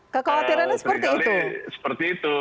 kekhawatirannya seperti itu